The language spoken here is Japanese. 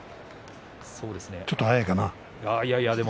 ちょっと早いかな？